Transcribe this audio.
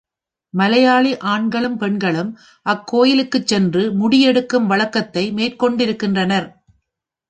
மலையாளி ஆண்களும், பெண்களும் அக் கோயிலுக்குச் சென்று முடி எடுக்கும் வழக்கத்தை மேற்கொண்டிருக்கின்றனர்.